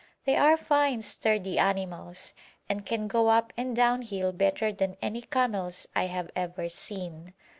They are fine sturdy animals, and can go up and down hill better than any camels I have ever seen.